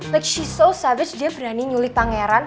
like she so savage dia berani nyulik pangeran